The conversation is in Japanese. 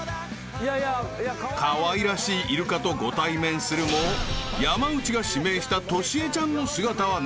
［かわいらしいイルカとご対面するも山内が指名したトシエちゃんの姿はない］